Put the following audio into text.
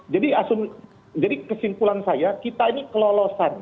jadi kesimpulan saya kita ini kelolosan